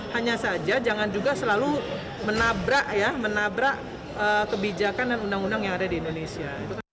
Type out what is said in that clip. hanya saja jangan juga selalu menabrak ya menabrak kebijakan dan undang undang yang ada di indonesia